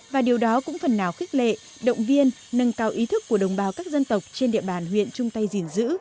và điều đó cũng phần nào khích lệ động viên nâng cao ý thức của đồng bào các dân tộc trên địa bàn huyện trung tây dình dữ